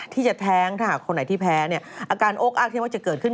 ที่จะแท้งถ้าหากคนไหนที่แพ้อาการอกอากเที่ยว่าจะเกิดขึ้น